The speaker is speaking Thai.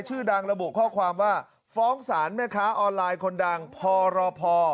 ชื่อดังระบุข้อความว่าฟ้องสารแม่ค้าออนไลน์คนดังพรพ